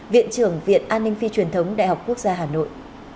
viện trưởng viện an ninh phi truyền thống đại học quốc gia hà nội